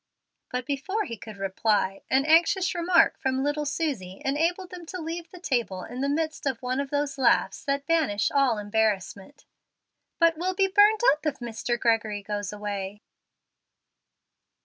Before he could reply, an anxious remark from little Susie enabled them to leave the table in the midst of one of those laughs that banish all embarrassment. "But we'll be burned up if Mr. Gregory goes away."